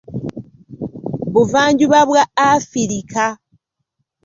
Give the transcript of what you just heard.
Buvanjuba bwa Afirika.